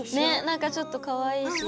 なんかちょっとかわいいし。